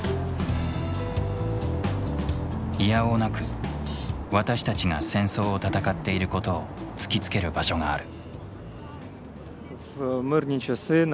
いやおうなく私たちが戦争を戦っていることを突きつける場所がある。